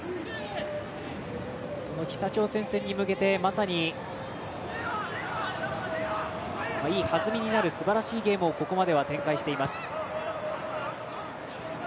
その北朝鮮戦に向けてまさに、いい弾みになるすばらしいゲームをここまでは展開しています。